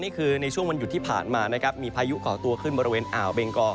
นี่คือในช่วงวันหยุดที่ผ่านมานะครับมีพายุก่อตัวขึ้นบริเวณอ่าวเบงกอ